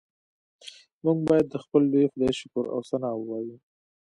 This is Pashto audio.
موږ باید د خپل لوی خدای شکر او ثنا ووایو